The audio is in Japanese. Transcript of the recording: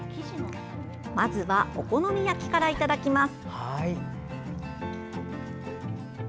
まずはお好み焼きからいただきます。